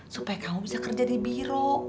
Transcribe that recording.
supaya kamu bisa kerja di biro